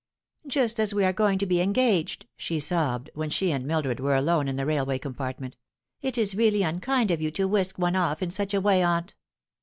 " Just as we were going to be engaged," she sobbed, when she and Mildred were alone in a railway compartment. " It is really unkind of you to whisk one off in such a way, aunt."